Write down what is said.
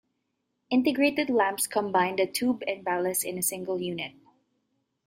Integrated lamps combine the tube and ballast in a single unit.